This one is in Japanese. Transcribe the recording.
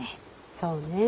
そうねえ。